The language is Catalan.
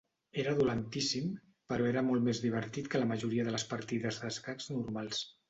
Era dolentíssim, però era molt més divertit que la majoria de les partides d'escacs normals.